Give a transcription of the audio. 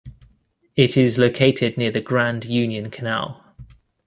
It is located near the Grand Union Canal.